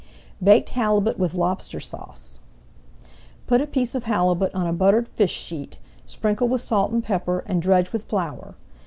[Page 175] BAKED HALIBUT WITH LOBSTER SAUCE Put a piece of halibut on a buttered fish sheet, sprinkle with salt and pepper, and dredge with flour.